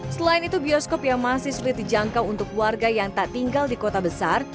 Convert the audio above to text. selain itu bioskop yang masih sulit dijangkau untuk warga yang tak tinggal di kota besar